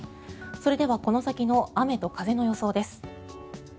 それではこの先の雨と風の予想です。